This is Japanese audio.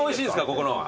ここのは。